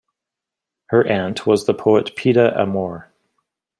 Her aunt was the poet Pita Amor.